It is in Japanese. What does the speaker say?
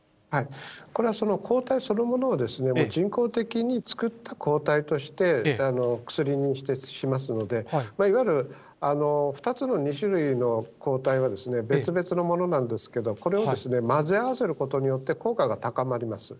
これは抗体そのものを人工的に作った抗体として、薬にしますので、いわゆる２つの、２種類の抗体は別々のものなんですけれども、これを混ぜ合わせることによって効果が高まります。